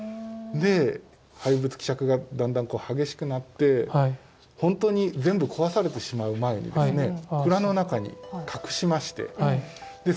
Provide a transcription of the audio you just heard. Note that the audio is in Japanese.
廃仏毀釈がだんだん激しくなって本当に全部壊されてしまう前にですね蔵の中に隠しましてそれで村人たちが守っていた。